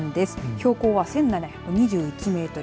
標高は１７２１メートル